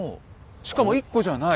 しかも１個じゃない。